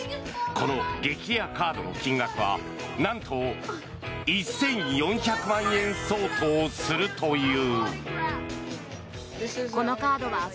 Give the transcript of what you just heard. この激レアカードの金額はなんと１４００万円相当するという。